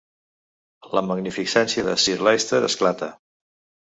La magnificència de Sir Leicester esclata.